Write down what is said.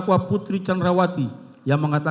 kita harus membuatnya